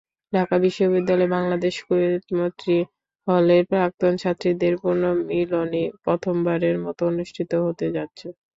ঢাকা বিশ্ববিদ্যালয়ের বাংলাদেশ-কুয়েত মৈত্রী হলের প্রাক্তন ছাত্রীদের পুনর্মিলনী প্রথমবারের মতো অনুষ্ঠিত হতে যাচ্ছে।